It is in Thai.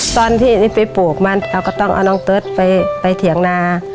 ตอนที่ไปปลูกมันเราก็ต้องเอาน้องเติร์ทไปเถียงนา